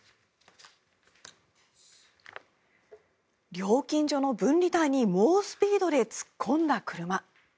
料金所の分離帯に猛スピードで突っ込んだ車。